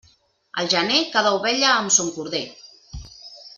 Al gener, cada ovella amb son corder.